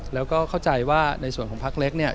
แล้วก็เข้าใจว่าในส่วนของพักเล็กเนี่ย